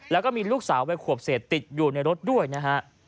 แล้วก็มีลูกสาววัยขวบเศษติดอยู่ในรถด้วยนะฮะ